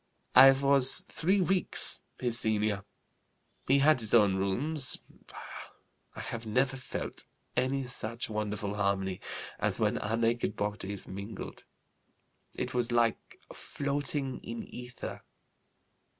I was three weeks his senior. He had his own rooms. I have never felt any such wonderful harmony as when our naked bodies mingled. It was like floating in ether.